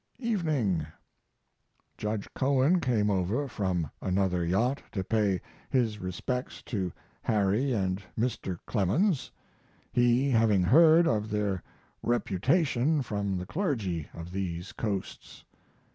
Evening. Judge Cohen came over from another yacht to pay his respects to Harry and Mr. Clemens, he having heard of their reputation from the clergy of these coasts.